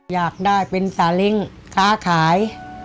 อยากได้เป็นสาเล้งค้าขาย